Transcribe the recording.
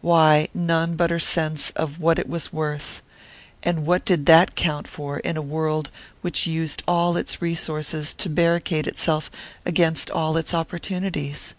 Why, none but her sense of what it was worth and what did that count for, in a world which used all its resources to barricade itself against all its opportunities?